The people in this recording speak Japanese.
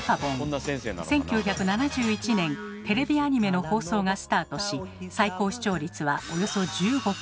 １９７１年テレビアニメの放送がスタートし最高視聴率はおよそ１５％。